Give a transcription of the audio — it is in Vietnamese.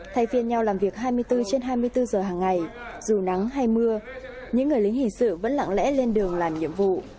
thay phiên nhau làm việc hai mươi bốn trên hai mươi bốn giờ hàng ngày dù nắng hay mưa những người lính hình sự vẫn lặng lẽ lên đường làm nhiệm vụ